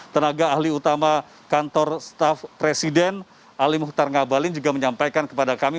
tenaga ahli utama kantor staff presiden ali muhtar ngabalin juga menyampaikan kepada kami